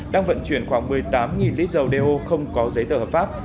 đang vận chuyển khoảng một mươi tám lít dầu đeo không có giấy tờ hợp pháp